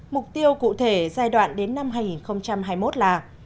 mục tiêu cụ thể giai đoạn đến năm hai nghìn hai mươi một là